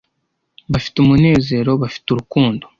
bafite umunezero bafite urukundo